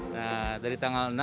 nah dari tanggal